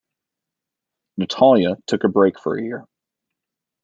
Natalia took a break for a year.